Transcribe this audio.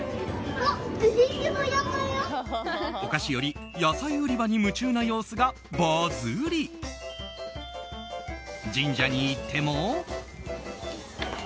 お菓子より野菜売り場に夢中な様子がバズり神社に行っても。